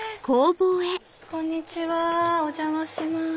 こんにちはお邪魔します。